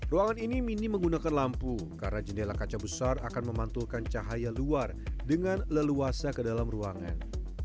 ruangan ini minim menggunakan lampu karena jendela kaca besar akan memantulkan cahaya luar dengan leluasa ke dalam ruangan